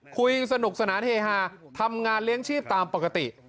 สนุกสนานเฮฮาทำงานเลี้ยงชีพตามปกติ